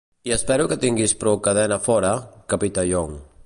I espero que tinguis prou cadena fora, Capità Young.